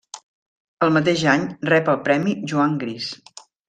El mateix any rep el premi Joan Gris.